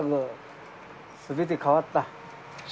すべて変わった？